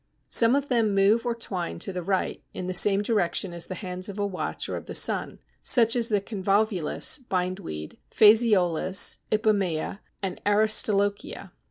Some of them move or twine to the right (in the same direction as the hands of a watch or of the sun), such as Convolvulus (Bindweed), Phaseolus, Ipomoea, and Aristolochia.